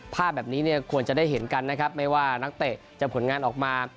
ภาพแบบนี้เนี่ยควรจะได้เห็นกันนะครับไม่ว่านักเตะจะผลงานออกมา